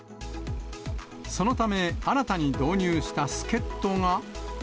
そのため、新たに導入した助っ人が。